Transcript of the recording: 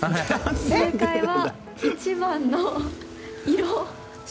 正解は、１番の色！